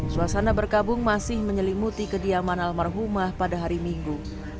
suasana berkabung masih menyelimuti kediaman almarhumah pada hari minggu